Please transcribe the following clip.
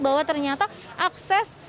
bahwa ternyata akses